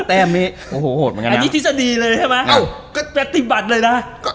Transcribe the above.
๑๙แต้มนี้อันนี้ทฤษฎีเลยใช่ไหมปฏิบัติเลยนะ